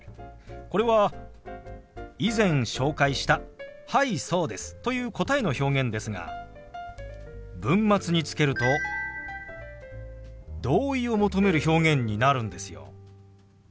これは以前紹介した「はいそうです」という答えの表現ですが文末につけると同意を求める表現になるんですよ。